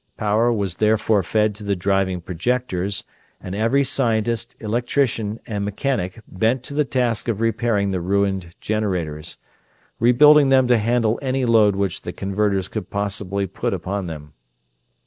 Power was therefore fed to the driving projectors, and each scientist, electrician, and mechanic bent to the task of repairing the ruined generators; rebuilding them to handle any load which the converters could possibly put upon them.